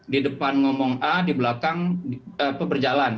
di depan ngomong a di belakang peperjalan